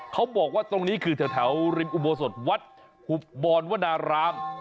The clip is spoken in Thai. เขาบอกว่าตรงนี้คือแถวริมอุโบสถวัดหุบบรวนาราม